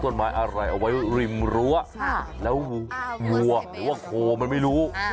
แล้ววัวหรือว่าโคมันไม่รู้